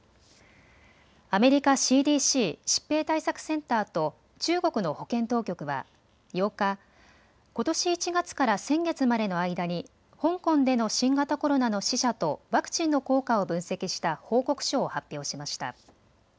アメリカＣＤＣ・疾病対策センターと中国の保健当局は８日、ことし１月から先月までの間に香港での新型コロナの死者とワクチンの効果を分析した報告書を発表しました。